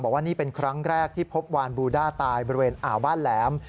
บอกว่านี่เป็นครั้งแรกที่พบวานบูด้าตายบริเวณอ่าวบ้านแหลม